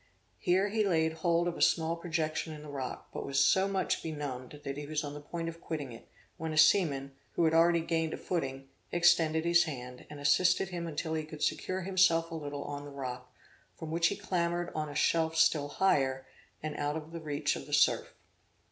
Here he laid hold of a small projection in the rock, but was so much benumbed that he was on the point of quitting it, when a seaman, who had already gained a footing, extended his hand, and assisted him until he could secure himself a little on the rock; from which he clambered on a shelf still higher, and out of the reach of the surf.